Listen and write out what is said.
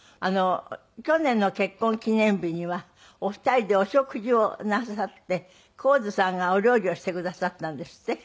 去年の結婚記念日にはお二人でお食事をなさって神津さんがお料理をしてくださったんですって？